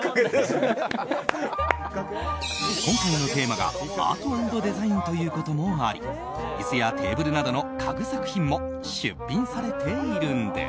今回のテーマがアート＆デザインということもあり椅子やテーブルなどの家具作品も出品されているんです。